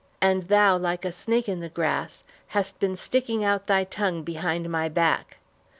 And thou, like a snake in the grass, hast been sticking out thy tongue behind my back.